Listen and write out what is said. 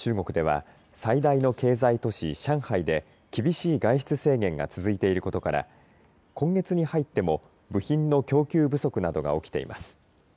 中国では最大の経済都市、上海で厳しい外出制限が続いていることから今月に入っても部品の供給不足などが起きています。